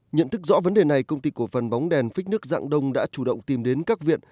nhận thức rõ vấn đề này công ty cổ phần bóng đèn phích nước dạng đông đã chủ động tìm đến các viện